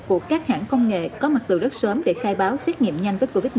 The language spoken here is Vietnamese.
của các hãng công nghệ có mặt từ rất sớm để khai báo xét nghiệm nhanh với covid một mươi chín